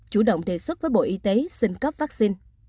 chủ động đề xuất với bộ y tế xin cấp vaccine